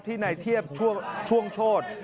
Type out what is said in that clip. ที่ในเทียบช่วงโชษ